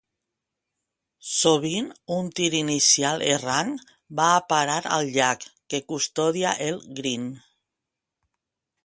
Sovint, un tir inicial errant va a parar al llac que custodia el green.